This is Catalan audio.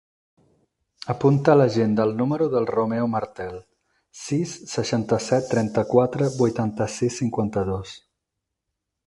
Apunta a l'agenda el número del Romeo Martel: sis, seixanta-set, trenta-quatre, vuitanta-sis, cinquanta-dos.